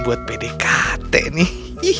buat pdkt nih